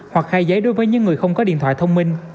hoặc khai giấy đối với những người không có điện thoại thông minh